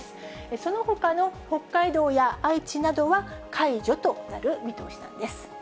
そのほかの北海道や愛知などは、解除となる見通しなんです。